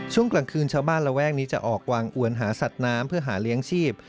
ช่วงกลางคืนชาวบ้านระแวกนี้จะออกวางอวนหาสัตว์น้ำเพื่อหาเลี้ยงชีพ